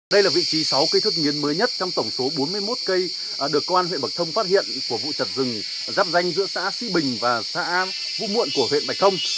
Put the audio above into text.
đây là vị trí sáu cây thốt nghiến mới nhất trong tổng số bốn mươi một cây được công an huyện bạch thông phát hiện của vụ chặt rừng giáp danh giữa xã sĩ bình và xã vũ muộn của huyện bạch thông